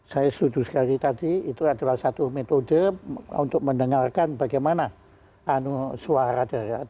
saya setuju sekali tadi itu adalah satu metode untuk mendengarkan bagaimana suara dari